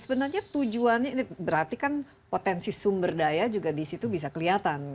sebenarnya tujuannya ini berarti kan potensi sumber daya juga disitu bisa kelihatan